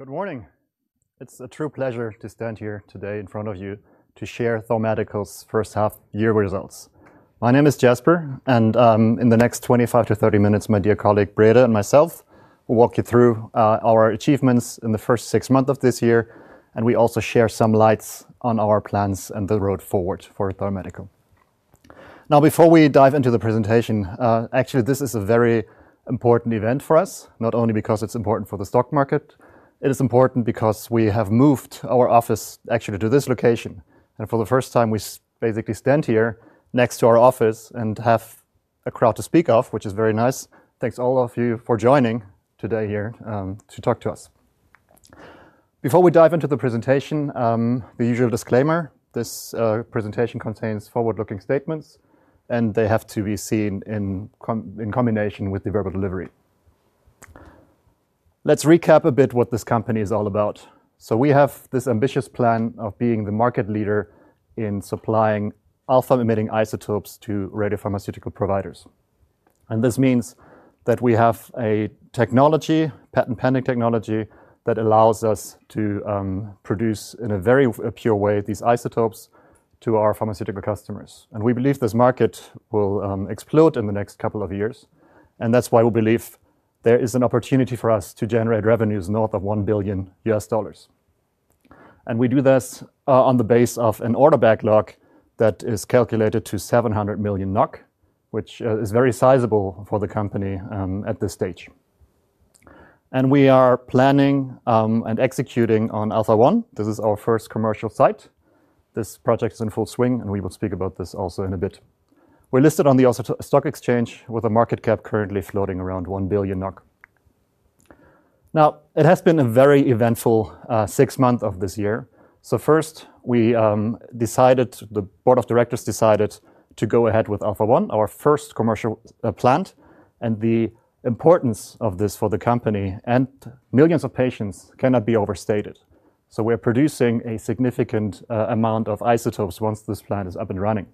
Good morning. It's a true pleasure to stand here today in front of you to share Thor Medical's first half year results. My name is Jasper, and in the next 25-30 minutes, my dear colleague Brede and myself will walk you through our achievements in the first six months of this year. We also share some lights on our plans and the road forward for Thor Medical. Now, before we dive into the presentation, this is a very important event for us, not only because it's important for the stock market. It is important because we have moved our office actually to this location. For the first time, we basically stand here next to our office and have a crowd to speak of, which is very nice. Thanks all of you for joining today here to talk to us. Before we dive into the presentation, the usual disclaimer: this presentation contains forward-looking statements, and they have to be seen in combination with the verbal delivery. Let's recap a bit what this company is all about. We have this ambitious plan of being the market leader in supplying alpha-emitting isotopes to radiopharmaceutical providers. This means that we have a technology, patent-pending technology, that allows us to produce in a very pure way these isotopes to our pharmaceutical customers. We believe this market will explode in the next couple of years. That's why we believe there is an opportunity for us to generate revenues north of $1 billion. We do this on the base of an order backlog that is calculated to 700 million NOK, which is very sizable for the company at this stage. We are planning and executing on AlphaOne. This is our first commercial site. This project is in full swing, and we will speak about this also in a bit. We're listed on the stock exchange with a market cap currently floating around 1 billion NOK. It has been a very eventful six months of this year. First, the Board of Directors decided to go ahead with AlphaOne, our first commercial plant. The importance of this for the company and millions of patients cannot be overstated. We are producing a significant amount of isotopes once this plant is up and running.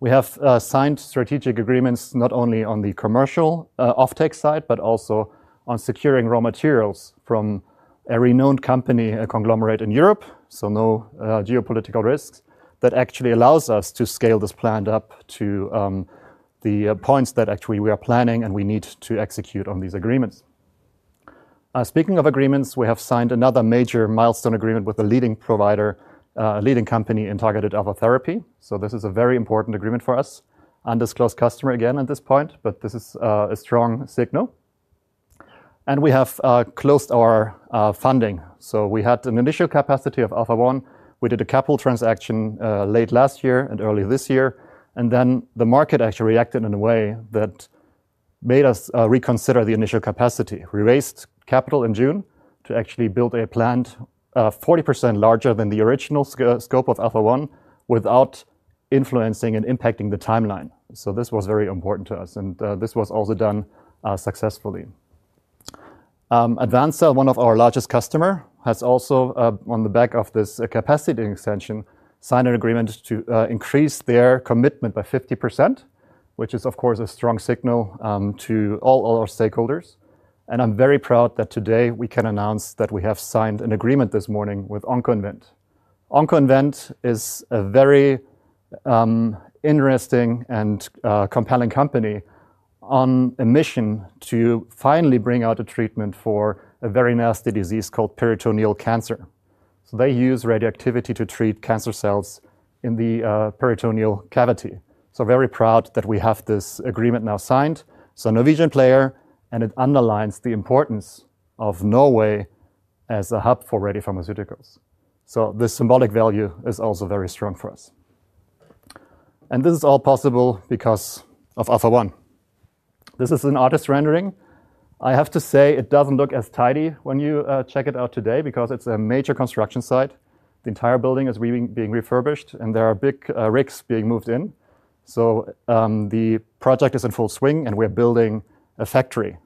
We have signed strategic agreements not only on the commercial off-take side, but also on securing raw materials from every known company conglomerate in Europe. There is no geopolitical risk that actually allows us to scale this plant up to the points that we are planning, and we need to execute on these agreements. Speaking of agreements, we have signed another major milestone agreement with a leading company in targeted alpha therapy. This is a very important agreement for us. Undisclosed customer again at this point, but this is a strong signal. We have closed our funding. We had an initial capacity of AlphaOne. We did a capital transaction late last year and early this year. The market actually reacted in a way that made us reconsider the initial capacity. We raised capital in June to actually build a plant 40% larger than the original scope of AlphaOne without influencing and impacting the timeline. This was very important to us, and this was also done successfully. AdvanCell, one of our largest customers, has also, on the back of this capacity extension, signed an agreement to increase their commitment by 50%, which is, of course, a strong signal to all our stakeholders. I'm very proud that today we can announce that we have signed an agreement this morning with Oncoinvent. Oncoinvent is a very interesting and compelling company on a mission to finally bring out a treatment for a very nasty disease called peritoneal cancer. They use radioactivity to treat cancer cells in the peritoneal cavity. I'm very proud that we have this agreement now signed. A Norwegian player, and it underlines the importance of Norway as a hub for radiopharmaceuticals. This symbolic value is also very strong for us. This is all possible because of AlphaOne. This is an artist's rendering. I have to say it doesn't look as tidy when you check it out today because it's a major construction site. The entire building is being refurbished, and there are big rigs being moved in. The project is in full swing, and we're building a factory.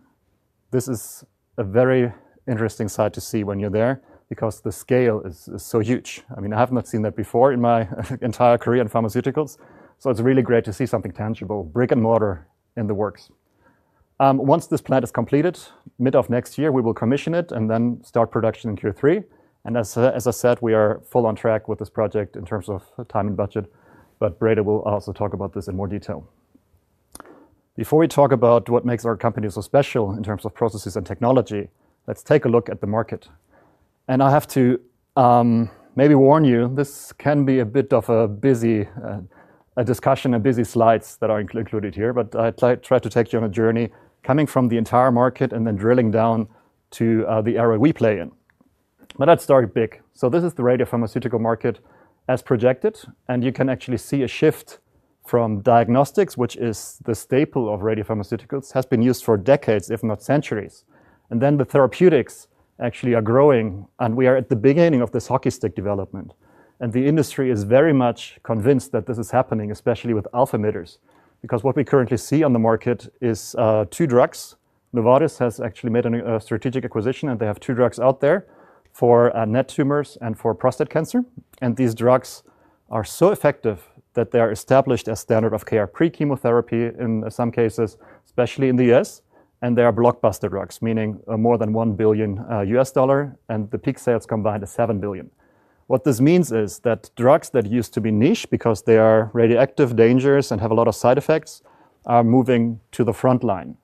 This is a very interesting site to see when you're there because the scale is so huge. I have not seen that before in my entire career in pharmaceuticals. It's really great to see something tangible, brick and mortar in the works. Once this plant is completed, mid of next year, we will commission it and then start production in Q3. As I said, we are full on track with this project in terms of time and budget. Brede will also talk about this in more detail. Before we talk about what makes our company so special in terms of processes and technology, let's take a look at the market. I have to maybe warn you, this can be a bit of a busy discussion and busy slides that are included here, but I try to take you on a journey coming from the entire market and then drilling down to the area we play in. Let's start big. This is the radiopharmaceutical market as projected. You can actually see a shift from diagnostics, which is the staple of radiopharmaceuticals, has been used for decades, if not centuries. The therapeutics actually are growing, and we are at the beginning of this hockey stick development. The industry is very much convinced that this is happening, especially with alpha-emitters, because what we currently see on the market is two drugs. Novartis has actually made a strategic acquisition, and they have two drugs out there for NET tumors and for prostate cancer. These drugs are so effective that they are established as standard of care pre-chemotherapy in some cases, especially in the U.S. They are blockbuster drugs, meaning more than $1 billion, and the peak sales combined are $7 billion. What this means is that drugs that used to be niche because they are radioactive, dangerous, and have a lot of side effects are moving to the front line.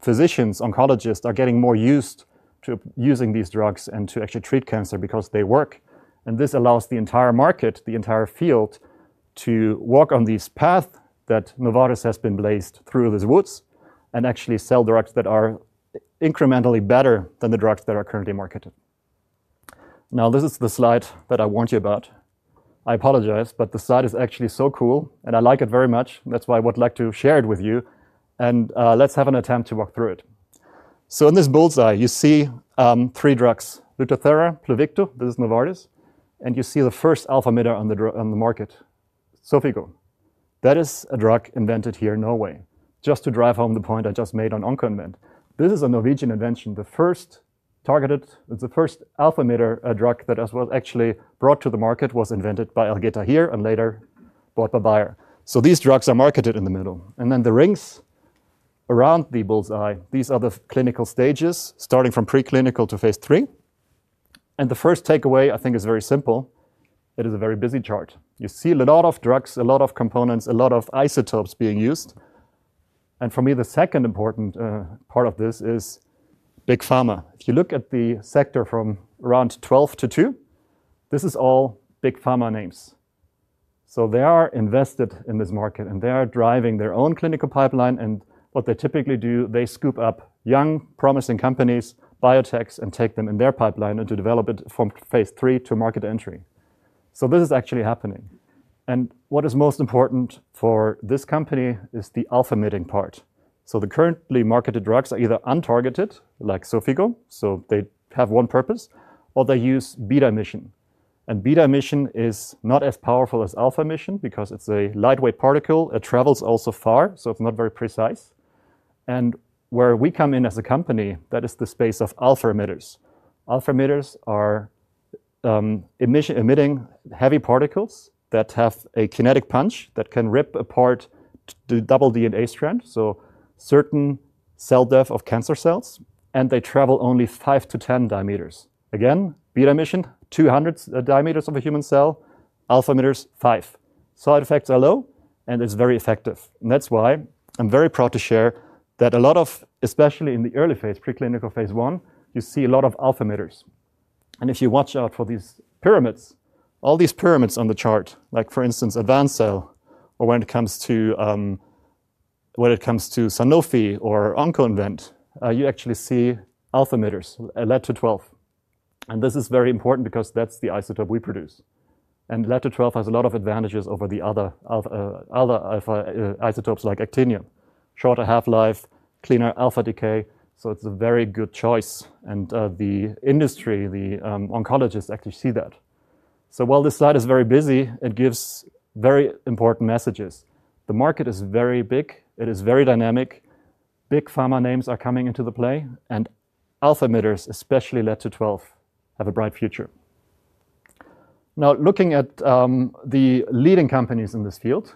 Physicians, oncologists are getting more used to using these drugs and to actually treat cancer because they work. This allows the entire market, the entire field, to walk on this path that Novartis has blazed through the woods and actually sell drugs that are incrementally better than the drugs that are currently marketed. Now, this is the slide that I warned you about. I apologize, but the slide is actually so cool, and I like it very much. That's why I would like to share it with you. Let's have an attempt to walk through it. In this bullseye, you see three drugs: Lutathera, Pluvicto, this is Novartis, and you see the first alpha-emitter on the market, Xofigo. That is a drug invented here in Norway. Just to drive home the point I just made on Oncoinvent, this is a Norwegian invention. The first targeted, it's the first alpha-emitter drug that was actually brought to the market was invented by Algeta here and later bought by Bayer. These drugs are marketed in the middle. The rings around the bullseye, these are the clinical stages, starting from preclinical to phase three. The first takeaway, I think, is very simple. It is a very busy chart. You see a lot of drugs, a lot of components, a lot of isotopes being used. For me, the second important part of this is big pharma. If you look at the sector from around 12 to 2, this is all big pharma names. They are invested in this market, and they are driving their own clinical pipeline. What they typically do, they scoop up young, promising companies, biotechs, and take them in their pipeline and develop it from phase three to market entry. This is actually happening. What is most important for this company is the alpha-emitting part. The currently marketed drugs are either untargeted, like Xofigo, so they have one purpose, or they use beta emission. Beta emission is not as powerful as alpha emission because it's a lightweight particle. It travels also far, so it's not very precise. Where we come in as a company, that is the space of alpha-emitters. Alpha-emitters are emitting heavy particles that have a kinetic punch that can rip apart the double DNA strand, so certain cell depth of cancer cells, and they travel only 5-10 diameters. Beta emission, 200 diameters of a human cell, alpha-emitters, 5. Side effects are low, and it's very effective. That's why I'm very proud to share that a lot of, especially in the early phase, preclinical phase I, you see a lot of alpha-emitters. If you watch out for these pyramids, all these pyramids on the chart, like for instance, AdvanCell, or when it comes to Sanofi or Oncoinvent ASA, you actually see alpha-emitters, Pb-212. This is very important because that's the isotope we produce. Pb-212 has a lot of advantages over the other isotopes like Actinium, shorter half-life, cleaner alpha decay. It's a very good choice. The industry, the oncologists actually see that. While this slide is very busy, it gives very important messages. The market is very big. It is very dynamic. Big pharma names are coming into the play, and alpha-emitters, especially Pb-212, have a bright future. Now, looking at the leading companies in this field,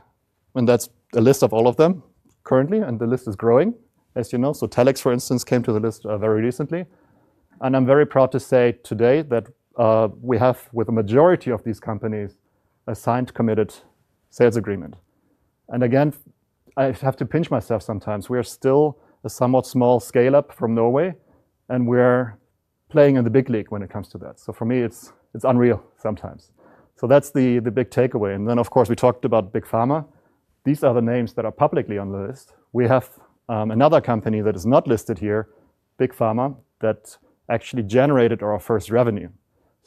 and that's a list of all of them currently, and the list is growing, as you know. Telix, for instance, came to the list very recently. I'm very proud to say today that we have, with a majority of these companies, a signed committed sales agreement. I have to pinch myself sometimes. We are still a somewhat small scale-up from Norway, and we're playing in the big league when it comes to that. For me, it's unreal sometimes. That's the big takeaway. Of course, we talked about big pharma. These are the names that are publicly on the list. We have another company that is not listed here, Big Pharma, that actually generated our first revenue.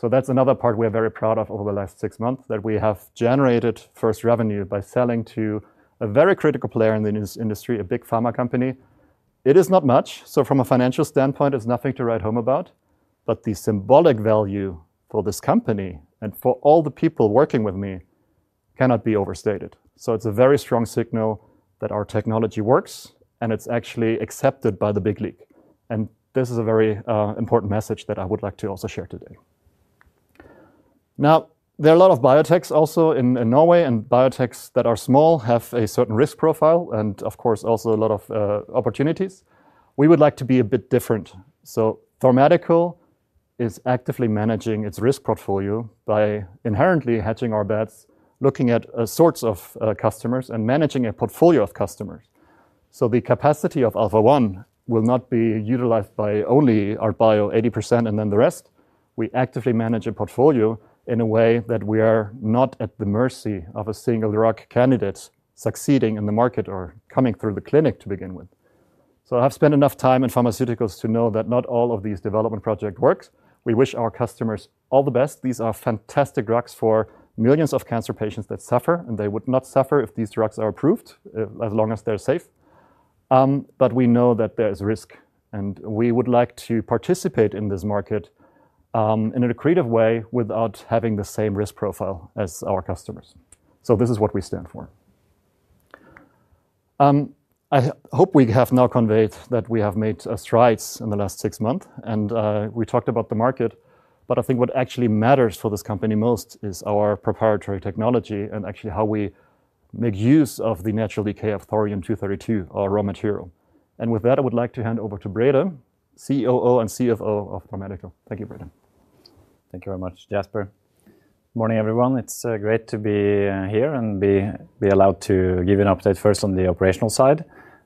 That's another part we're very proud of over the last six months, that we have generated first revenue by selling to a very critical player in the industry, a Big Pharma company. It is not much. From a financial standpoint, it's nothing to write home about. The symbolic value for this company and for all the people working with me cannot be overstated. It's a very strong signal that our technology works, and it's actually accepted by the big league. This is a very important message that I would like to also share today. There are a lot of biotechs also in Norway, and biotechs that are small have a certain risk profile and, of course, also a lot of opportunities. We would like to be a bit different. Thor Medical is actively managing its risk portfolio by inherently hedging our bets, looking at sorts of customers, and managing a portfolio of customers. The capacity of AlphaOne will not be utilized by only our bio 80% and then the rest. We actively manage a portfolio in a way that we are not at the mercy of a single drug candidate succeeding in the market or coming through the clinic to begin with. I have spent enough time in pharmaceuticals to know that not all of these development projects work. We wish our customers all the best. These are fantastic drugs for millions of cancer patients that suffer, and they would not suffer if these drugs are approved as long as they're safe. We know that there is risk, and we would like to participate in this market in a creative way without having the same risk profile as our customers. This is what we stand for. I hope we have now conveyed that we have made strides in the last six months, and we talked about the market. I think what actually matters for this company most is our proprietary technology and actually how we make use of the natural decay of thorium-232, our raw material. With that, I would like to hand over to Brede, COO and CFO of Thor Medical. Thank you, Brede. Thank you very much, Jasper. Morning, everyone. It's great to be here and be allowed to give you an update first on the operational side,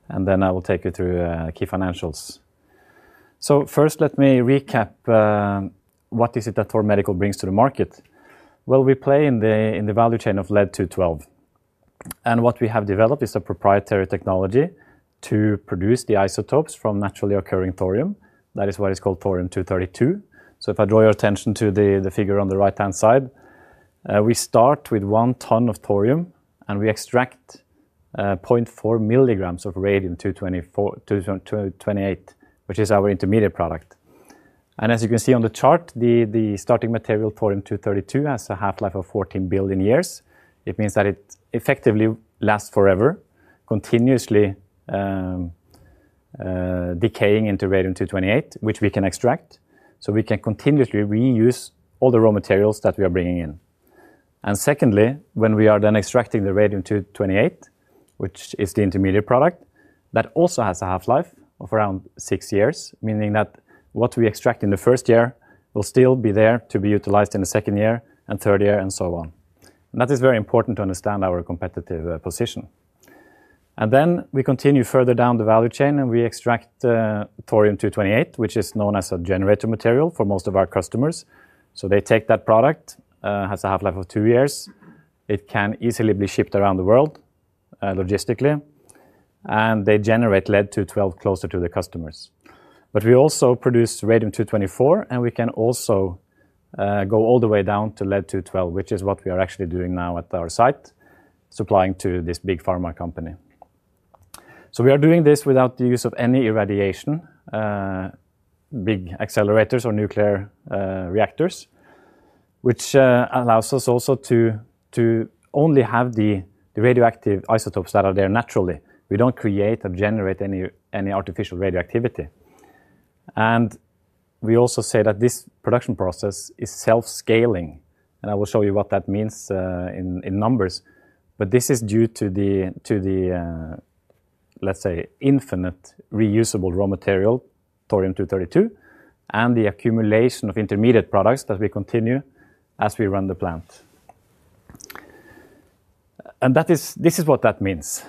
and then I will take you through key financials. First, let me recap what it is that Thor Medical brings to the market. We play in the value chain of Pb-212. What we have developed is a proprietary technology to produce the isotopes from naturally occurring thorium. That is why it's called thorium-232. If I draw your attention to the figure on the right-hand side, we start with one ton of thorium, and we extract 0.4 mg of radium-228, which is our intermediate product. As you can see on the chart, the starting material, thorium-232, has a half-life of 14 billion years. It means that it effectively lasts forever, continuously decaying into radium-228, which we can extract. We can continuously reuse all the raw materials that we are bringing in. Secondly, when we are then extracting the radium-228, which is the intermediate product, that also has a half-life of around six years, meaning that what we extract in the first year will still be there to be utilized in the second year and third year and so on. That is very important to understand our competitive position. We continue further down the value chain, and we extract thorium-228, which is known as a generator material for most of our customers. They take that product, which has a half-life of two years. It can easily be shipped around the world logistically, and they generate Pb-212 closer to the customers. We also produce radium-224, and we can also go all the way down to Pb-212, which is what we are actually doing now at our site, supplying to this big pharma company. We are doing this without the use of any irradiation, big accelerators, or nuclear reactors, which allows us also to only have the radioactive isotopes that are there naturally. We don't create or generate any artificial radioactivity. We also say that this production process is self-scaling. I will show you what that means in numbers. This is due to the, let's say, infinite reusable raw material, thorium-232, and the accumulation of intermediate products that we continue as we run the plant. This is what that means.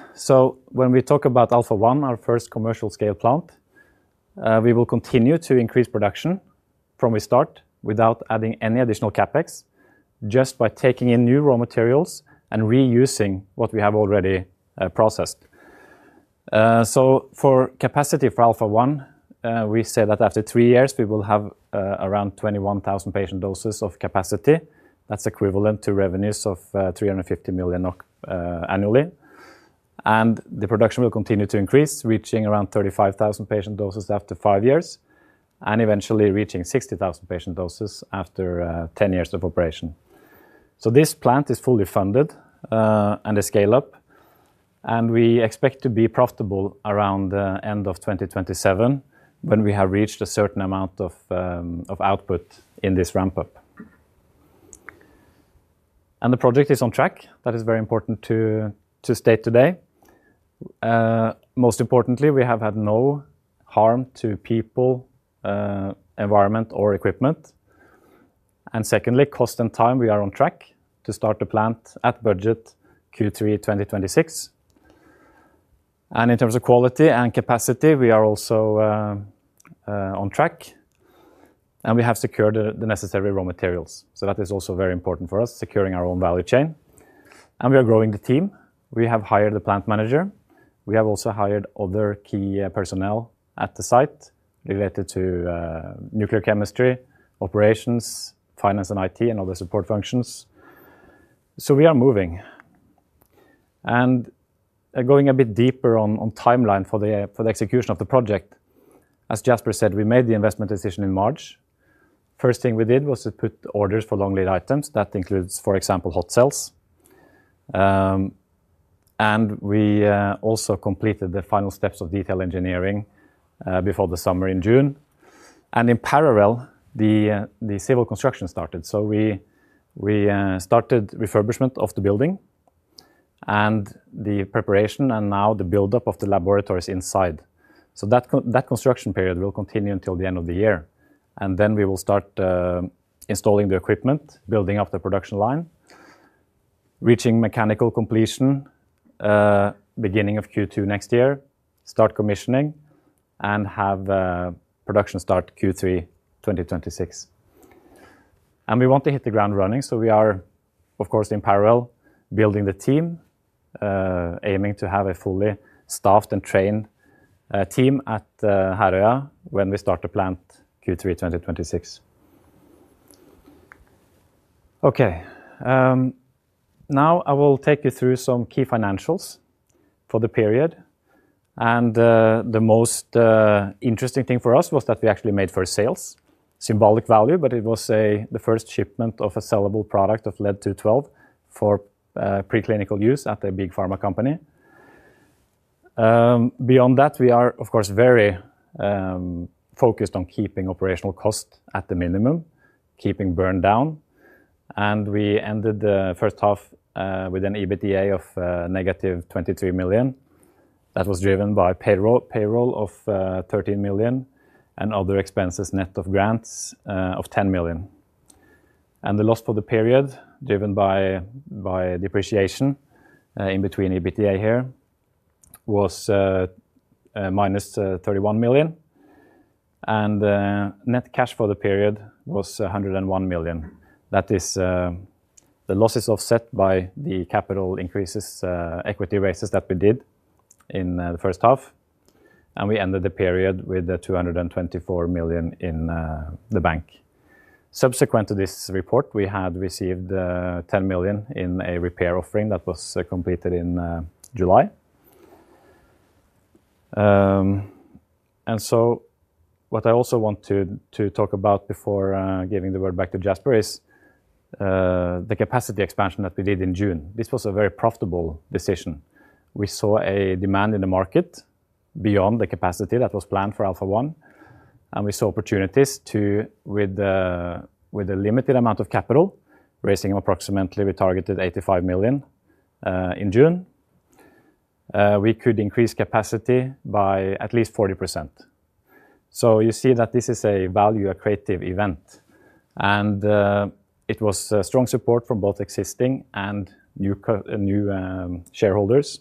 When we talk about AlphaOne, our first commercial-scale plant, we will continue to increase production from the start without adding any additional CapEx, just by taking in new raw materials and reusing what we have already processed. For capacity for AlphaOne, we say that after three years, we will have around 21,000 patient doses of capacity. That's equivalent to revenues of 350 million annually. The production will continue to increase, reaching around 35,000 patient doses after five years, and eventually reaching 60,000 patient doses after 10 years of operation. This plant is fully funded and a scale-up. We expect to be profitable around the end of 2027 when we have reached a certain amount of output in this ramp-up. The project is on track. That is very important to state today. Most importantly, we have had no harm to people, environment, or equipment. Secondly, cost and time, we are on track to start the plant at budget Q3 2026. In terms of quality and capacity, we are also on track. We have secured the necessary raw materials. That is also very important for us, securing our own value chain. We are growing the team. We have hired the Plant Manager. We have also hired other key personnel at the site related to nuclear chemistry, operations, finance, and IT, and other support functions. We are moving. Going a bit deeper on the timeline for the execution of the project, as Jasper said, we made the investment decision in March. The first thing we did was to put orders for long lead items. That includes, for example, hot cells. We also completed the final steps of detail engineering before the summer in June. In parallel, the civil construction started. We started refurbishment of the building and the preparation and now the buildup of the laboratories inside. That construction period will continue until the end of the year. Then we will start installing the equipment, building up the production line, reaching mechanical completion beginning of Q2 next year, start commissioning, and have production start Q3 2026. We want to hit the ground running. We are, of course, in parallel building the team, aiming to have a fully staffed and trained team at Harøya when we start the plant Q3 2026. OK. Now I will take you through some key financials for the period. The most interesting thing for us was that we actually made first sales, symbolic value, but it was the first shipment of a sellable product of Pb-212 for preclinical use at a Big Pharma company. Beyond that, we are, of course, very focused on keeping operational costs at the minimum, keeping burn down. We ended the first half with an EBITDA of -23 million. That was driven by payroll of 13 million and other expenses net of grants of 10 million. The loss for the period, driven by depreciation in between EBITDA here, was -31 million. Net cash for the period was 101 million. That is the losses offset by the capital increases, equity raises that we did in the first half. We ended the period with 224 million in the bank. Subsequent to this report, we had received 10 million in a repair offering that was completed in July. What I also want to talk about before giving the word back to Jasper is the capacity expansion that we did in June. This was a very profitable decision. We saw a demand in the market beyond the capacity that was planned for AlphaOne. We saw opportunities to, with a limited amount of capital, raising approximately, we targeted 85 million in June, we could increase capacity by at least 40%. You see that this is a value, a creative event. It was strong support from both existing and new shareholders.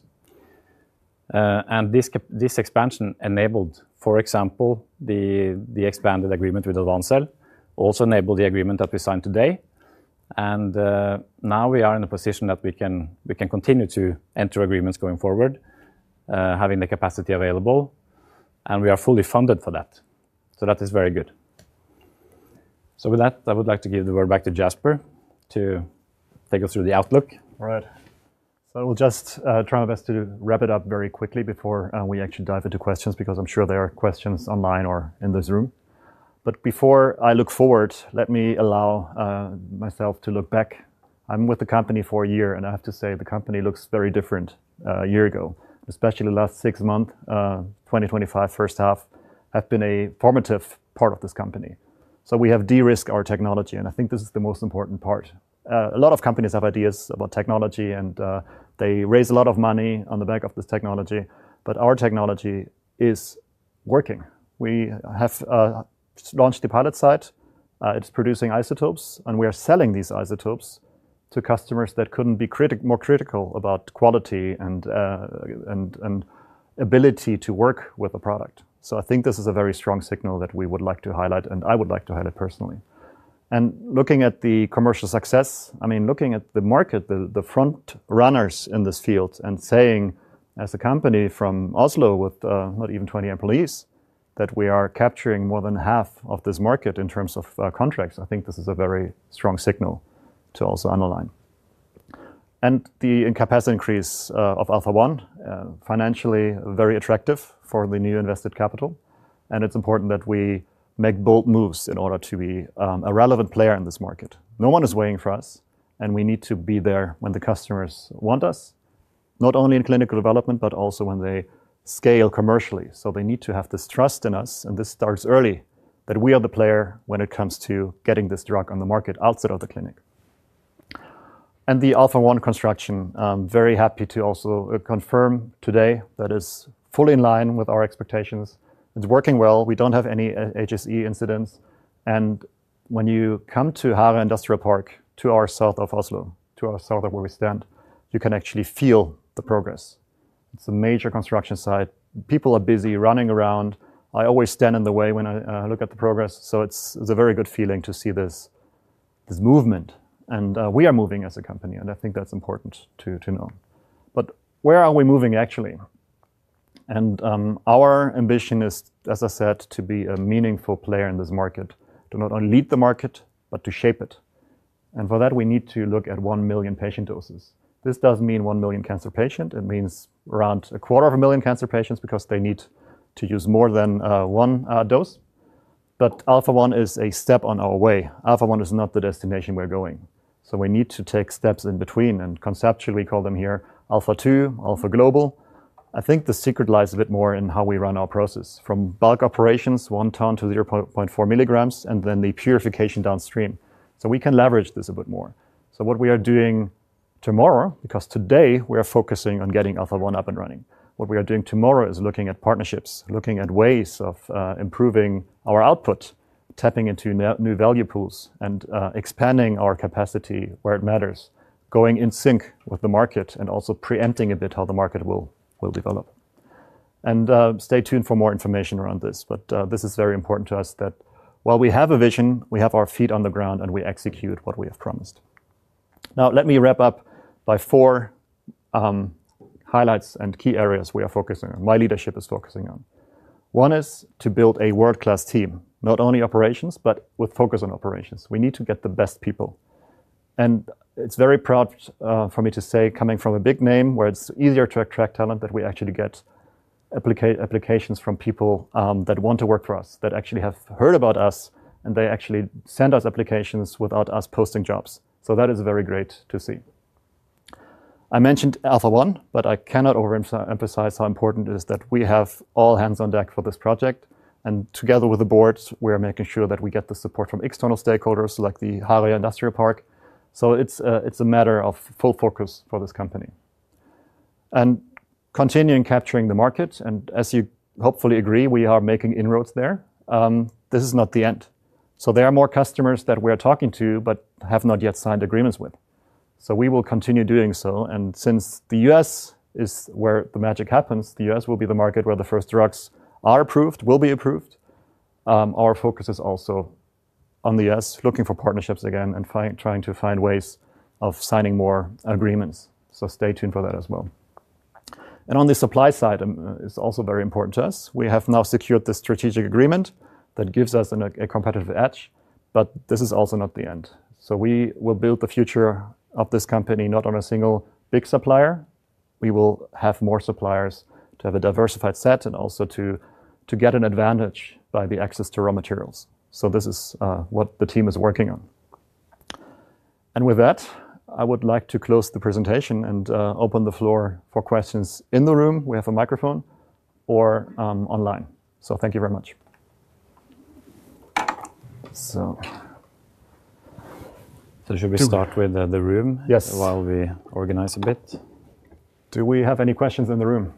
This expansion enabled, for example, the expanded agreement with AdvanCell. It also enabled the agreement that we signed today. We are in a position that we can continue to enter agreements going forward, having the capacity available. We are fully funded for that. That is very good. With that, I would like to give the word back to Jasper to take us through the outlook. All right. I will just try my best to wrap it up very quickly before we actually dive into questions because I'm sure there are questions online or in this room. Before I look forward, let me allow myself to look back. I'm with the company for a year, and I have to say the company looks very different a year ago, especially the last six months, 2025, first half. I've been a formative part of this company. We have de-risked our technology, and I think this is the most important part. A lot of companies have ideas about technology, and they raise a lot of money on the back of this technology. Our technology is working. We have launched the pilot site. It's producing isotopes, and we are selling these isotopes to customers that couldn't be more critical about quality and ability to work with a product. I think this is a very strong signal that we would like to highlight, and I would like to highlight personally. Looking at the commercial success, I mean, looking at the market, the front runners in this field, and saying as a company from Oslo with not even 20 employees, that we are capturing more than half of this market in terms of contracts, I think this is a very strong signal to also underline. The capacity increase of AlphaOne, financially very attractive for the new invested capital. It's important that we make bold moves in order to be a relevant player in this market. No one is waiting for us, and we need to be there when the customers want us, not only in clinical development, but also when they scale commercially. They need to have this trust in us, and this starts early, that we are the player when it comes to getting this drug on the market outside of the clinic. The AlphaOne construction, I'm very happy to also confirm today that it's fully in line with our expectations. It's working well. We don't have any HSE incidents. When you come to Harøya Industrial Park, two hours south of Oslo, two hours south of where we stand, you can actually feel the progress. It's a major construction site. People are busy running around. I always stand in the way when I look at the progress. It's a very good feeling to see this movement. We are moving as a company, and I think that's important to know. Where are we moving, actually? Our ambition is, as I said, to be a meaningful player in this market, to not only lead the market, but to shape it. For that, we need to look at 1 million patient doses. This does mean 1 million cancer patients. It means around a quarter of a million cancer patients because they need to use more than one dose. AlphaOne is a step on our way. AlphaOne is not the destination we're going. We need to take steps in between, and conceptually, we call them here AlphaTwo, AlphaGlobal. I think the secret lies a bit more in how we run our process from bulk operations, one ton to 0.4 mg, and then the purification downstream. We can leverage this a bit more. What we are doing tomorrow, because today we are focusing on getting AlphaOne up and running, what we are doing tomorrow is looking at partnerships, looking at ways of improving our output, tapping into new value pools, and expanding our capacity where it matters, going in sync with the market, and also preempting a bit how the market will develop. Stay tuned for more information around this. This is very important to us that while we have a vision, we have our feet on the ground, and we execute what we have promised. Now, let me wrap up by four highlights and key areas we are focusing on, my leadership is focusing on. One is to build a world-class team, not only operations, but with focus on operations. We need to get the best people. It's very proud for me to say, coming from a big name where it's easier to attract talent, that we actually get applications from people that want to work for us, that actually have heard about us, and they actually send us applications without us posting jobs. That is very great to see. I mentioned AlphaOne, but I cannot overemphasize how important it is that we have all hands on deck for this project. Together with the board, we are making sure that we get the support from external stakeholders like the Harøya Industrial Park. It's a matter of full focus for this company. Continuing capturing the market, and as you hopefully agree, we are making inroads there, this is not the end. There are more customers that we are talking to but have not yet signed agreements with. We will continue doing so. Since the U.S. is where the magic happens, the U.S. will be the market where the first drugs are approved, will be approved. Our focus is also on the U.S., looking for partnerships again and trying to find ways of signing more agreements. Stay tuned for that as well. On the supply side, it's also very important to us. We have now secured the strategic agreement that gives us a competitive edge. This is also not the end. We will build the future of this company not on a single big supplier. We will have more suppliers to have a diversified set and also to get an advantage by the access to raw materials. This is what the team is working on. With that, I would like to close the presentation and open the floor for questions in the room. We have a microphone or online. Thank you very much. Should we start with the room while we organize a bit? Do we have any questions in the room?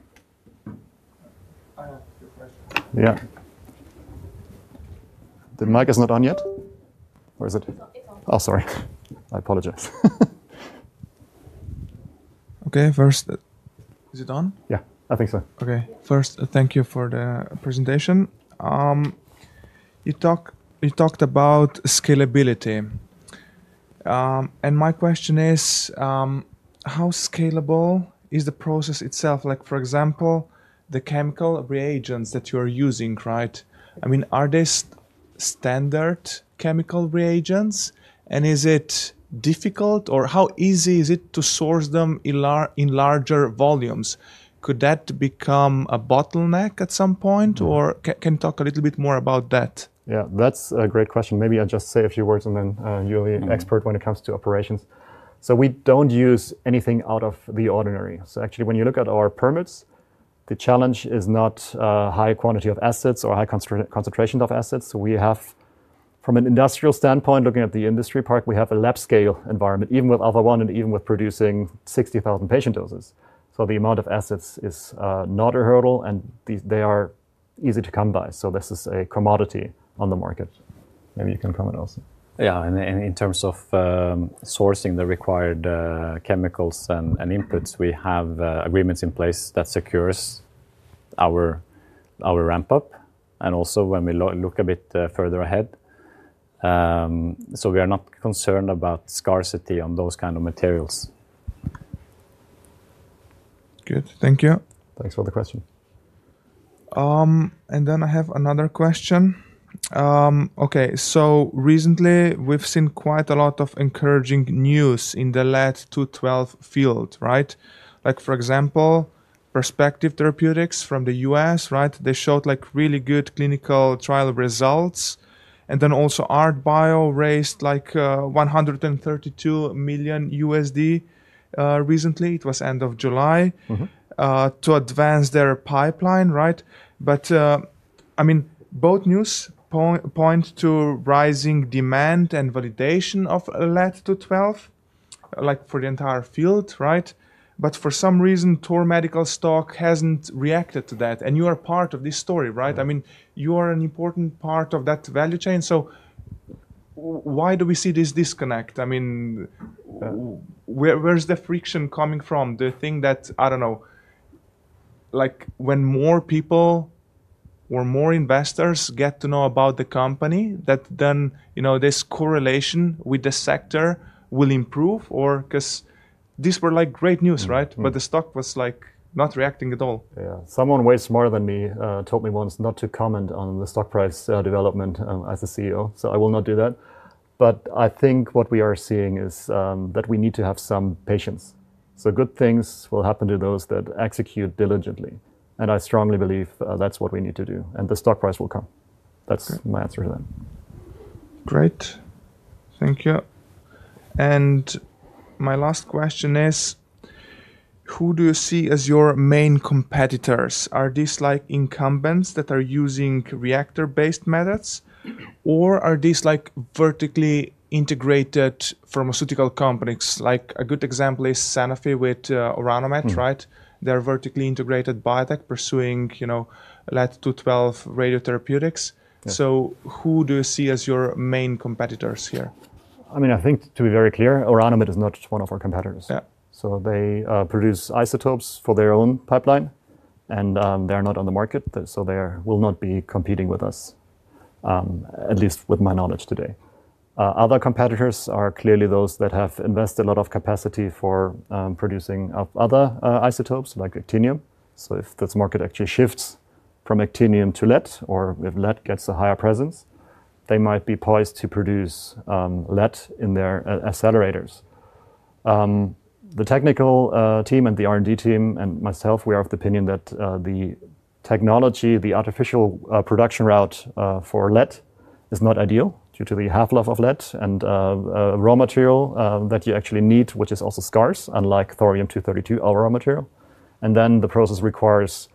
Yeah. The mic is not on yet, or is it? Oh, sorry. I apologize. OK, first, is it on? Yeah, I think so. OK. First, thank you for the presentation. You talked about scalability. My question is, how scalable is the process itself? For example, the chemical reagents that you are using, right? I mean, are these standard chemical reagents? Is it difficult, or how easy is it to source them in larger volumes? Could that become a bottleneck at some point? Could you talk a little bit more about that? Yeah, that's a great question. Maybe I'll just say a few words, and then you're the expert when it comes to operations. We don't use anything out of the ordinary. Actually, when you look at our permits, the challenge is not a high quantity of assets or high concentration of assets. We have, from an industrial standpoint, looking at the industrial park, a lab-scale environment, even with AlphaOne and even with producing 60,000 patient doses. The amount of assets is not a hurdle, and they are easy to come by. This is a commodity on the market. Maybe you can comment also. Yeah, in terms of sourcing the required chemicals and inputs, we have agreements in place that secure our ramp-up. Also, when we look a bit further ahead, we are not concerned about scarcity on those kinds of materials. Good. Thank you. Thanks for the question. I have another question. Recently, we've seen quite a lot of encouraging news in the Pb-212 field, right? For example, prospective therapeutics from the U.S., right? They showed really good clinical trial results. Also, ArtBio raised $132 million recently. It was the end of July to advance their pipeline, right? Both news points to rising demand and validation of Pb-212 for the entire field, right? For some reason, Thor Medical's stock hasn't reacted to that. You are part of this story, right? You are an important part of that value chain. Why do we see this disconnect? Where is the friction coming from? The thing that, I don't know, like when more people or more investors get to know about the company, that then this correlation with the sector will improve? This was great news, right? The stock was not reacting at all. Yeah, someone way smarter than me told me once not to comment on the stock price development as a CEO. I will not do that. I think what we are seeing is that we need to have some patience. Good things will happen to those that execute diligently. I strongly believe that's what we need to do. The stock price will come. That's my answer to that. Great. Thank you. My last question is, who do you see as your main competitors? Are these incumbents that are using reactor-based methods, or are these vertically integrated pharmaceutical companies? A good example is Sanofi with Orano Med, right? They're vertically integrated biotech pursuing Pb-212 radiotherapeutics. Who do you see as your main competitors here? I mean, I think to be very clear, Orano Med is not one of our competitors. They produce isotopes for their own pipeline, and they're not on the market. They will not be competing with us, at least with my knowledge today. Other competitors are clearly those that have invested a lot of capacity for producing other isotopes like actinium. If this market actually shifts from actinium to Pb-212, or if Pb-212 gets a higher presence, they might be poised to produce Pb-212 in their accelerators. The technical team and the R&D team and myself, we are of the opinion that the technology, the artificial production route for Pb-212 is not ideal due to the half-life of Pb-212 and raw material that you actually need, which is also scarce, unlike thorium-232, our raw material. The process requires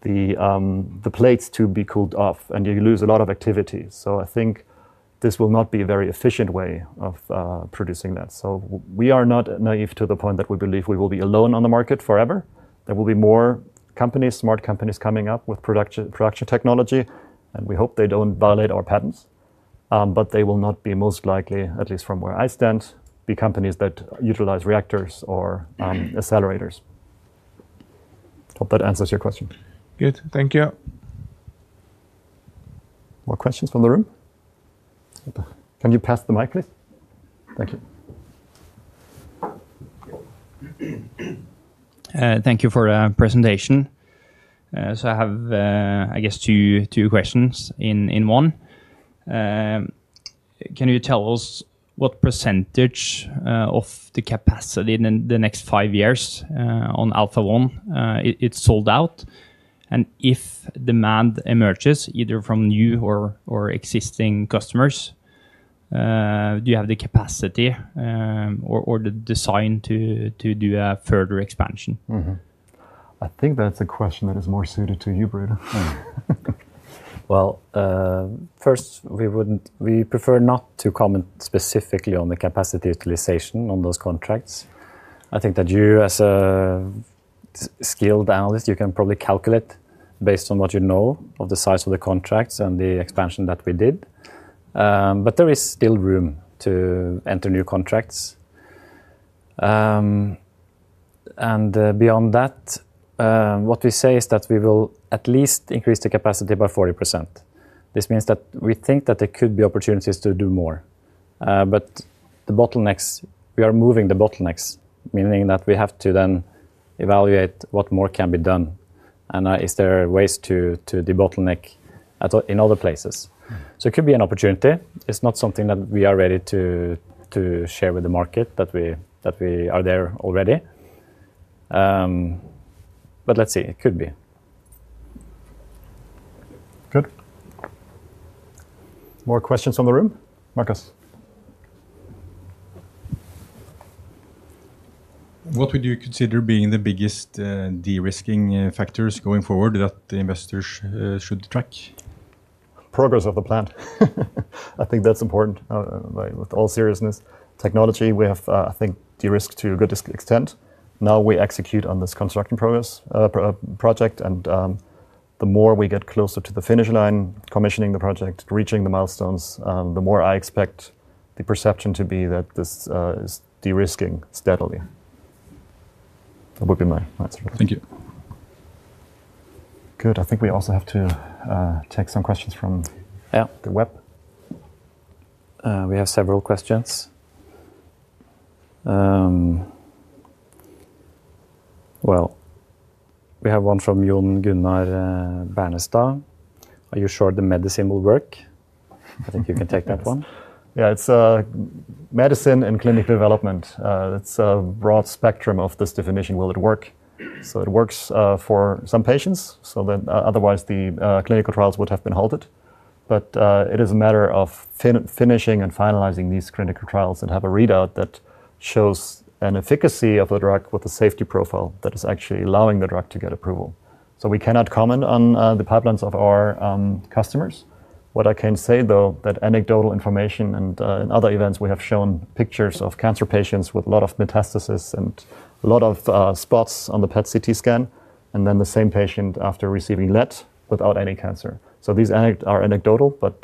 the plates to be cooled off, and you lose a lot of activity. I think this will not be a very efficient way of producing that. We are not naive to the point that we believe we will be alone on the market forever. There will be more companies, smart companies coming up with production technology, and we hope they don't violate our patents. They will not be, most likely, at least from where I stand, companies that utilize reactors or accelerators. Hope that answers your question. Good. Thank you. More questions from the room? Can you pass the mic, please? Thank you. Thank you for the presentation. I have, I guess, two questions in one. Can you tell us what % of the capacity in the next five years on AlphaOne is sold out? If demand emerges, either from new or existing customers, do you have the capacity or the design to do a further expansion? I think that's a question that is more suited to you, Brede. First, we prefer not to comment specifically on the capacity utilization on those contracts. I think that you, as a skilled analyst, you can probably calculate based on what you know of the size of the contracts and the expansion that we did. There is still room to enter new contracts. Beyond that, what we say is that we will at least increase the capacity by 40%. This means that we think that there could be opportunities to do more. The bottlenecks, we are moving the bottlenecks, meaning that we have to then evaluate what more can be done. Is there ways to debottleneck in other places? It could be an opportunity. It's not something that we are ready to share with the market, that we are there already. Let's see. It could be. Good. More questions from the room? Marcus. What would you consider being the biggest de-risking factors going forward that investors should track? Progress of the plant. I think that's important. With all seriousness, technology, we have, I think, de-risked to a good extent. Now we execute on this construction project. The more we get closer to the finish line, commissioning the project, reaching the milestones, the more I expect the perception to be that this is de-risking steadily. That would be my answer. Thank you. Good. I think we also have to take some questions from the web. We have several questions. We have one from Jón Gunnar Bannestam. Are you sure the medicine will work? I think you can take that one. Yeah. It's medicine in clinical development. It's a broad spectrum of this definition, will it work? It works for some patients. Otherwise, the clinical trials would have been halted. It is a matter of finishing and finalizing these clinical trials and having a readout that shows an efficacy of the drug with a safety profile that is actually allowing the drug to get approval. We cannot comment on the pipelines of our customers. What I can say, though, is that anecdotal information and in other events, we have shown pictures of cancer patients with a lot of metastasis and a lot of spots on the PET/CT scan, and then the same patient after receiving Pb-212 without any cancer. These are anecdotal, but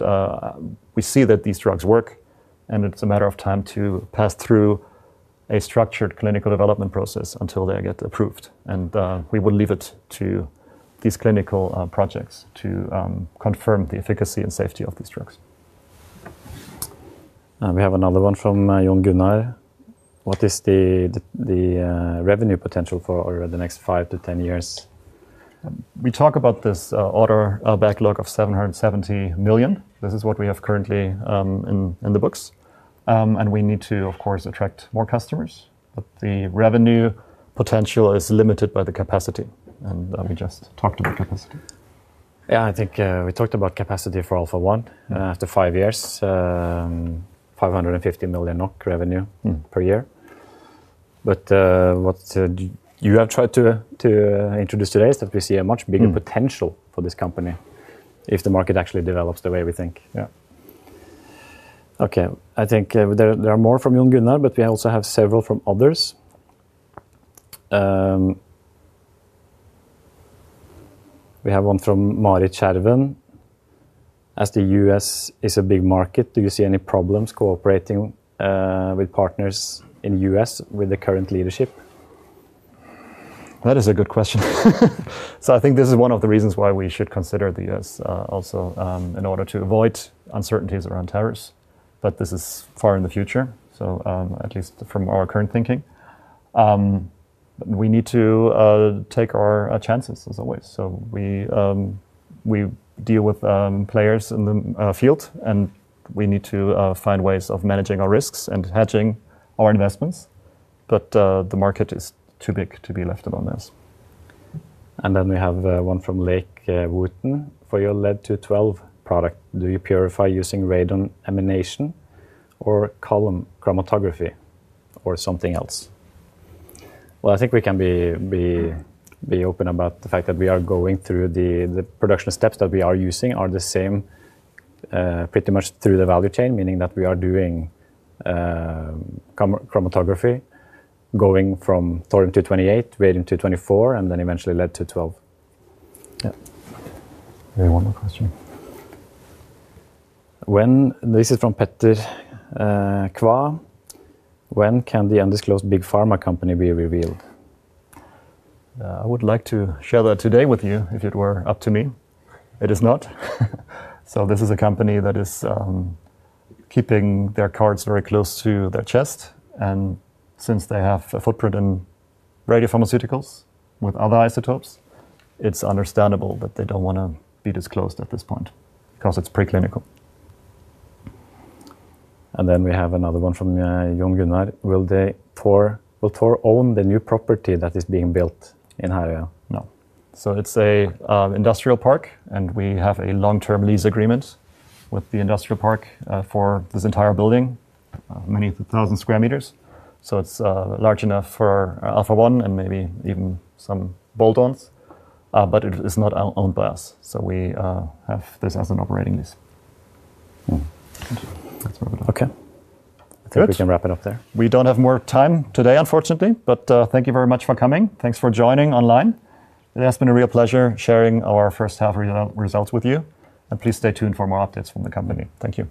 we see that these drugs work. It is a matter of time to pass through a structured clinical development process until they get approved. We will leave it to these clinical projects to confirm the efficacy and safety of these drugs. We have another one from Jón Gunnar. What is the revenue potential for the next 5-10 years? We talk about this order backlog of 770 million. This is what we have currently in the books. We need to, of course, attract more customers. The revenue potential is limited by the capacity. Let me just talk to the capacity. I think we talked about capacity for AlphaOne after five years, 550 million NOK revenue per year. What you have tried to introduce today is that we see a much bigger potential for this company if the market actually develops the way we think. I think there are more from Jón Gunnar, but we also have several from others. We have one from Mari Tjärvön. As the U.S. is a big market, do you see any problems cooperating with partners in the U.S. with the current leadership? That is a good question. I think this is one of the reasons why we should consider the U.S. also in order to avoid uncertainties around tariffs. This is far in the future, at least from our current thinking. We need to take our chances, as always. We deal with players in the field, and we need to find ways of managing our risks and hedging our investments. The market is too big to be left alone in this. We have one from Lake Wooten. For your Pb-212 product, do you purify using radon emanation or column chromatography or something else? I think we can be open about the fact that we are going through the production steps that we are using are the same pretty much through the value chain, meaning that we are doing chromatography going from thorium-228, radium-224, and then eventually Pb-212. Yeah. We have one more question. This is from Petter Kva. When can the undisclosed big pharma company be revealed? I would like to share that today with you if it were up to me. It is not. This is a company that is keeping their cards very close to their chest. Since they have a footprint in radiopharmaceuticals with other isotopes, it's understandable that they don't want to be disclosed at this point because it's preclinical. We have another one from Jón Gunnar. Will Thor own the new property that is being built in Harøya? No. It's an industrial park, and we have a long-term lease agreement with the industrial park for this entire building, many thousand sq m. It's large enough for AlphaOne and maybe even some bolt-ons. It is not owned by us. We have this as an operating lease. Oh, that's very good. OK. I think we can wrap it up there. We don't have more time today, unfortunately. Thank you very much for coming. Thanks for joining online. It has been a real pleasure sharing our first half results with you. Please stay tuned for more updates from the company. Thank you.